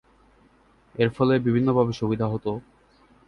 এর ফলে বিভিন্নভাবে সুবিধা হতো।